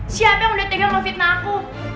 siapa yang udah tega ngefitnah aku